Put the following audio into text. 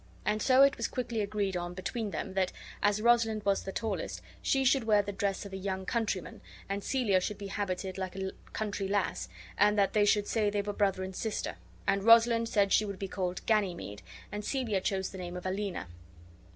And so it was quickly agreed on between them that, as Rosalind was the tallest, she should wear the dress of a young countryman, and Celia should be habited like a country lass, and that they should say they were brother and sister; and Rosalind said she would be called Ganymede, and Celia chose the name of Aliena.